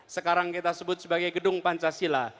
sekarang kita sebut sebagai gedung pancasila